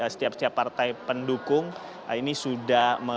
setiap setiap partai pendukung ini sudah